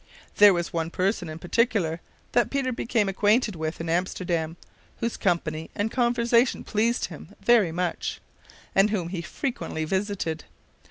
There was one person in particular that Peter became acquainted with in Amsterdam, whose company and conversation pleased him very much, and whom he frequently visited.